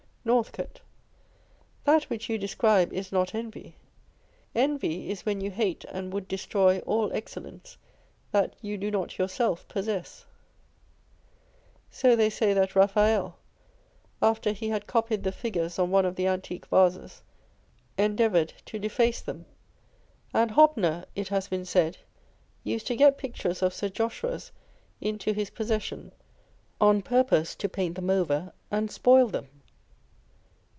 Northcote. That which yoiudescribe is not envy. Envy is when you hate and would destroy all excellence that you do not yourself possess. So they say that Raphael, after he had copied the figures on one of the antique vases, endeavoured to deface them ; and Hoppner, it has been said, used to get pictures of Sir Joshua's into his posses sion, on purpose to paint them over and spoil them.